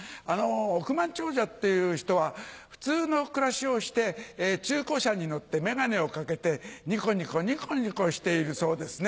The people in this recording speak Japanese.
億万長者っていう人は普通の暮らしをして中古車に乗って眼鏡をかけてニコニコニコニコしているそうですね。